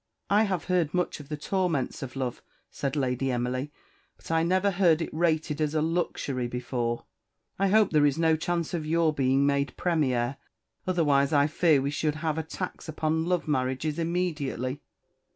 "I have heard much of the torments of love," said Lady Emily; "but I never heard it rated as a luxury before. I hope there is no chance of your being made Premier, otherwise I fear we should have a tax upon love marriages immediately."